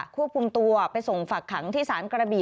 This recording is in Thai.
ควบคุมตัวไปส่งฝักขังที่ศาลกระบี่